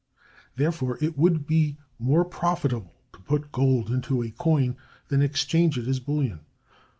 Therefore it would be more profitable to put gold into coin than exchange it as bullion.